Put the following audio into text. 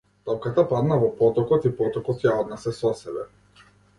Топката падна во потокот и потокот ја однесе со себе.